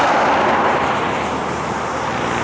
อ้าวพลิกพลิกมันไปแล้ว